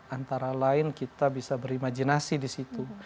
antara lain kita bisa berimajinasi disitu